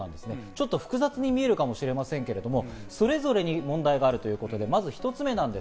ちょっと複雑に見えるかもしれませんけど、それぞれに問題があるということで、まず１つ目。